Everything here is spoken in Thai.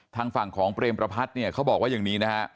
ทางฝั่งของเปรมประพัฒน์เนี่ยเขาบอกว่าอย่างนี้นะฮะ